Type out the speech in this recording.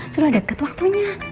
sudah deket waktunya